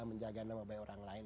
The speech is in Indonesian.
menjaga nama baik orang lain